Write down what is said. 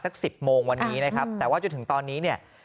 สิบโมงวันนี้นะครับแต่ว่าจนถึงตอนนี้เนี่ย